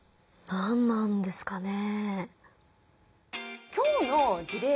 何なんですかね。